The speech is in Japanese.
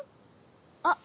あっ！